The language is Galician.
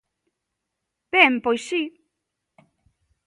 Ben, pois si.